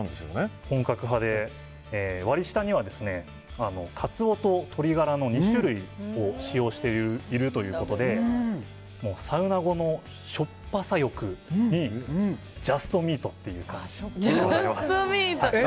割り下にはカツオと鶏ガラの２種類を使用しているということでサウナ後のしょっぱさ欲にジャストミートという感じです。